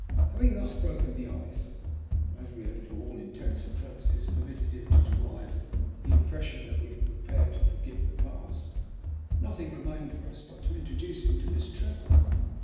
Having thus broken the ice, and as we had to all intents and purposes permitted him to derive the impression that we were prepared to forgive the Past, nothing remained for us but to introduce him to Miss Trevor.